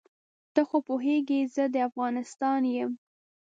ته خو پوهېږې زه د افغانستان یم.